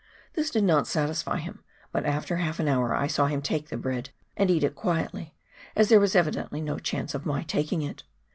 This did not satisfy him, but after half an hour I saw him take the bread and eat it quietly, as there was evidently no chance of my taking it.